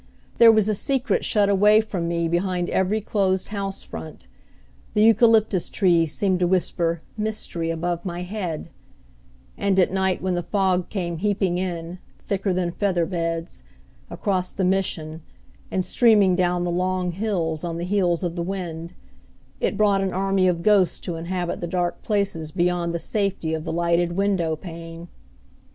There was a secret shut away from me behind every closed house front; the eucalyptus trees seemed to whisper "mystery" above my head; and at night, when the fog came heaping in, thicker than feather beds, across the Mission, and streaming down the long hills on the heels of the wind, it brought an army of ghosts to inhabit the dark places beyond the safety of the lighted window pane.